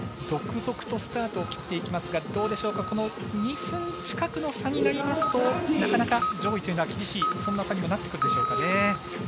続々とスタートを切っていきますが２分近くの差になりますとなかなか上位というのは厳しいという差にもなってくるでしょうか。